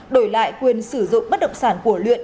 đổi lại quyền sử dụng bất động sản của luyện